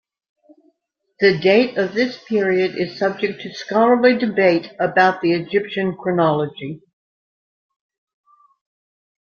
The date of this period is subject to scholarly debate about the Egyptian chronology.